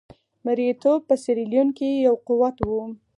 مریتوب په سیریلیون کې یو قوت وو.